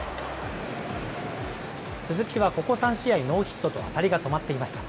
鈴木はここ３試合ノーヒットと当たりが止まっていました。